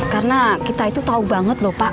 karena kita itu tahu banget lho pak